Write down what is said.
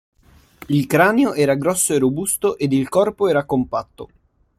Il cranio era grosso e robusto ed il corpo era compatto.